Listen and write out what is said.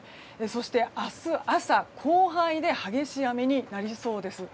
そして明日朝、広範囲で激しい雨になりそうです。